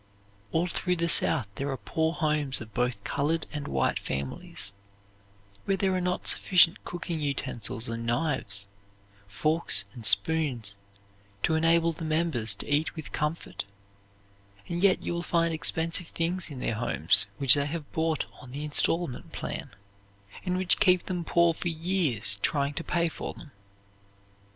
All through the South there are poor homes of both colored and white families, where there are not sufficient cooking utensils and knives, forks, and spoons to enable the members to eat with comfort, and yet you will find expensive things in their homes which they have bought on the instalment plan, and which keep them poor for years trying to pay for them.